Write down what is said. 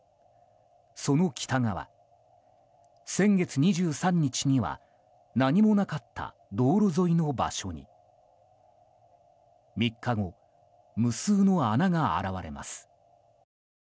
その北側、先月２３日には何もなかった道路沿いの場所に３日後、無数の穴が現れます。